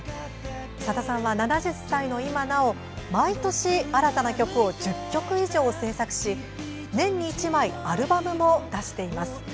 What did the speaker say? さださんは７０歳の今なお毎年新たな曲を１０曲以上制作し年に１枚アルバムも出しています。